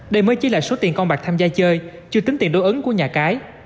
đây mới chỉ là số tiền con bạc tham gia chơi chưa tính tiền đối ứng của nhà cái